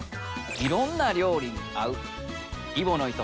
いろんな料理に合う揖保乃糸